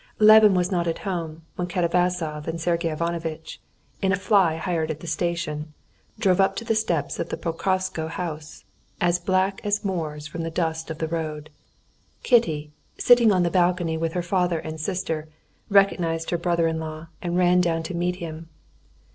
Levin was not at home when Katavasov and Sergey Ivanovitch in a fly hired at the station drove up to the steps of the Pokrovskoe house, as black as Moors from the dust of the road. Kitty, sitting on the balcony with her father and sister, recognized her brother in law, and ran down to meet him.